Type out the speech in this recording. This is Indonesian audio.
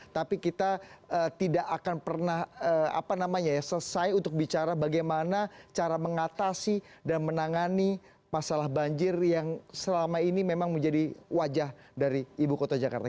tapi kita tidak akan pernah selesai untuk bicara bagaimana cara mengatasi dan menangani masalah banjir yang selama ini memang menjadi wajah dari ibu kota jakarta